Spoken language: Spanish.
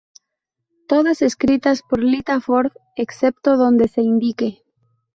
Todas escritas por Lita Ford, excepto donde se indique.